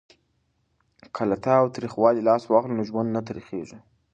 که له تاوتریخوالي لاس واخلو نو ژوند نه تریخیږي.